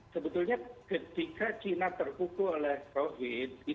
sebetulnya ketika china terpukul oleh covid